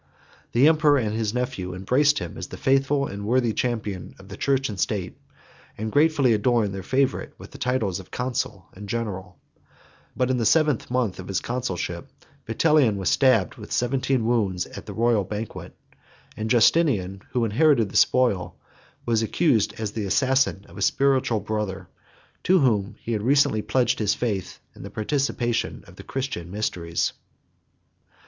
The emperor and his nephew embraced him as the faithful and worthy champion of the church and state; and gratefully adorned their favorite with the titles of consul and general; but in the seventh month of his consulship, Vitalian was stabbed with seventeen wounds at the royal banquet; 7 and Justinian, who inherited the spoil, was accused as the assassin of a spiritual brother, to whom he had recently pledged his faith in the participation of the Christian mysteries.